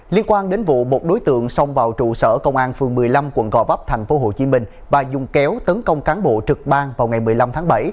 liên quan đến vụ một đối tượng xông vào trụ sở công an phường một mươi năm quận gò vấp thành phố hồ chí minh và dùng kéo tấn công cán bộ trực bang vào ngày một mươi năm tháng bảy